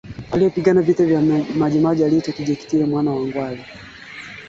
Ugonjwa wa kutupa mimba au Brusela huathiri ngombe